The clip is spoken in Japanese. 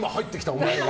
お前が。